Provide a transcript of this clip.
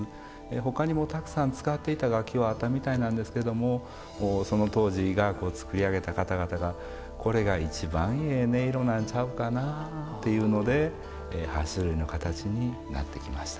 ほかにもたくさん使っていた楽器はあったみたいなんですけどもその当時雅楽を作り上げた方々がこれが一番ええ音色なんちゃうかなというので８種類の形になってきました。